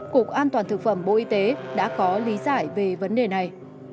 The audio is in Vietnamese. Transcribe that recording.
cục an toàn thực phẩm bộ y tế đã có lý giải về vấn đề này